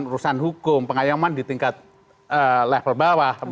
dan urusan hukum pengayaman di tingkat level bawah